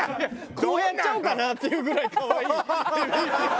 こうやっちゃおうかな？っていうぐらい可愛いエビ。